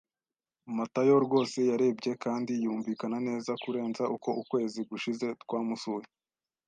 Matayo rwose yarebye kandi yumvikana neza kurenza uko ukwezi gushize twamusuye.